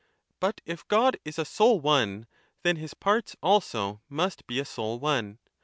But if God is a sole one, then his parts also must be a sole one.